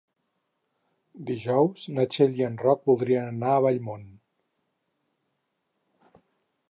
Dijous na Txell i en Roc voldrien anar a Vallmoll.